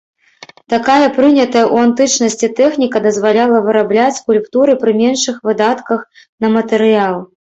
Такая прынятая ў антычнасці тэхніка дазваляла вырабляць скульптуры пры меншых выдатках на матэрыял.